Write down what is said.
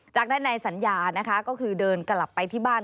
จากนั้นนายสัญญานะคะก็คือเดินกลับไปที่บ้าน